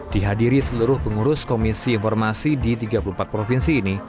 dihadiri seluruh pengurus komisi informasi di tiga puluh empat provinsi ini